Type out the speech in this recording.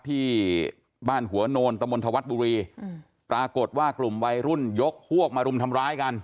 ที่บ้านหัวโนนตะมนตวัดบุรีอืมปรากฏว่ากลุ่มวัยรุ่นยกพวกมารุมทำร้ายกัน